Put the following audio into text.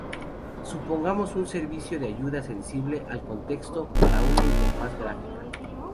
Supongamos un servicio de ayuda sensible al contexto para una interfaz gráfica.